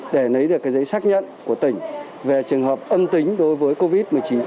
để lấy được giấy xác nhận của tỉnh về trường hợp âm tính đối với covid một mươi chín